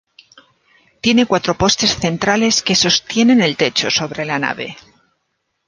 Tiene cuatro postes centrales que sostienen el techo sobre la nave.